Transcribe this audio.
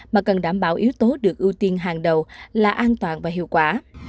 mà cần đảm bảo yếu tố được ưu tiên hàng đầu là an toàn và hiệu quả